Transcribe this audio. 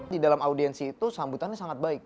di dalam audiensi itu sambutannya sangat baik